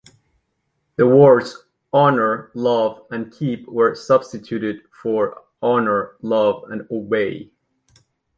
The words "honor, love, and keep" were substituted for "honor, love and obey".